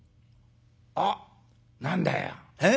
あっ何だよええ？